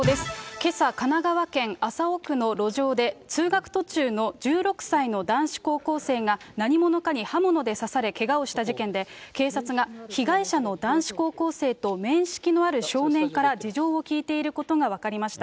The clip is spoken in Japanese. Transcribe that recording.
けさ、神奈川県麻生区の路上で、通学途中の１６歳の男子高校生が、何者かに刃物で刺されけがをした事件で、警察が被害者の男子高校生と面識のある少年から事情を聴いていることが分かりました。